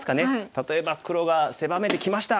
例えば黒が狭めてきました。